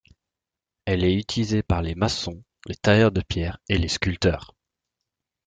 Elle est utilisée par les maçons, les tailleurs de pierre et les sculpteurs.